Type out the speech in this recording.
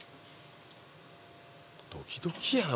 ドキドキやな